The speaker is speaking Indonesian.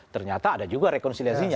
ternyata ada juga rekonsiliasinya